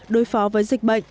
đối phó với dịch bệnh